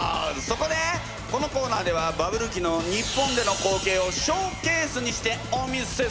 そこでこのコーナーではバブル期の日本での光景をショーケースにしてお見せするぜ！